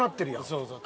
そうそう。